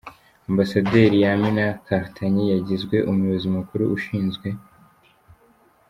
Ambasaderi Yamina Karitanyi yagizwe Umuyobozi Mukuru ushinzwe